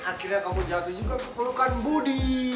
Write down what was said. akhirnya kamu jatuh juga untuk pelukan budi